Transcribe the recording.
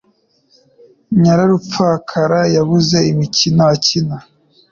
Nyararupfakara yabuze imikino akina